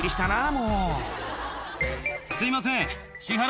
もうすいません。